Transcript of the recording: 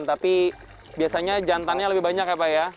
tapi biasanya jantannya lebih banyak ya pak ya